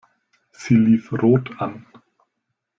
Sie lief rot an.